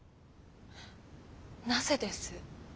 なぜです？